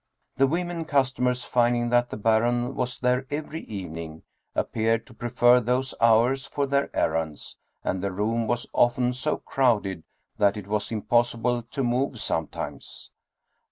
The women customers, finding that the Baron was there every evening, appeared to prefer those hours for their errands, and the room was often so crowded that it was impossible to move sometimes.